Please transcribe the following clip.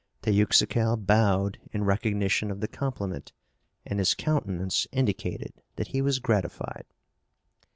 Teuxical bowed in recognition of the compliment, and his countenance indicated that he was gratified.